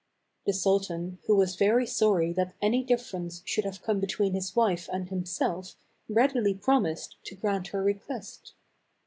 The sultan, who was very sorry that any difference should have come between his wife and himself readily promised to grant her request.